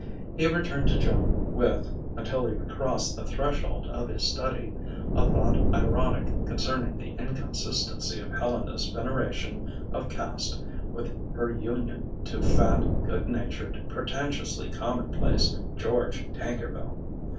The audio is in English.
He returned to Joan with until he recrossed the threshold of his study a thought ironic concerning the inconsistency of Helena's veneration of caste with her union to fat, good natured, pretentiously commonplace George Tankerville.